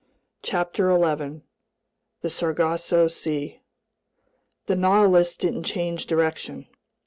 CHAPTER 11 The Sargasso Sea THE NAUTILUS didn't change direction.